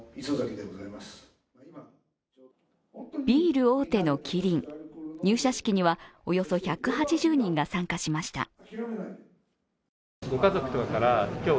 ビール大手のキリン入社式にはおよそ１８０人が参加しました。